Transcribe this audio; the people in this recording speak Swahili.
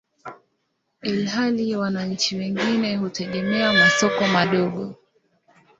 ilhali wananchi wengi hutegemea masoko madogo.